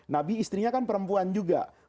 nabi istrinya kan perempuan juga